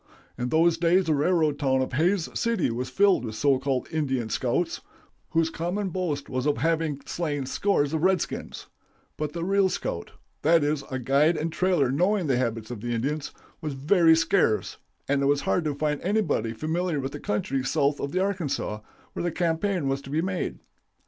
"In those days the railroad town of Hays City was filled with so called 'Indian scouts,' whose common boast was of having slain scores of redskins; but the real scout that is, a guide and trailer knowing the habits of the Indians was very scarce, and it was hard to find anybody familiar with the country south of the Arkansas, where the campaign was to be made.